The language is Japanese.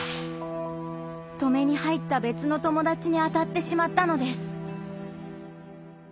止めに入った別の友達に当たってしまったのです。